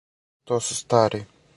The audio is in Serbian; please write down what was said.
То су стари.